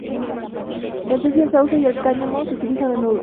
En Suecia, el sauce y el cáñamo se utilizan a menudo.